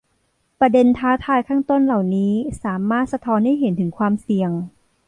ประเด็นท้าทายข้างต้นเหล่านี้สามารถสะท้อนให้เห็นถึงความเสี่ยง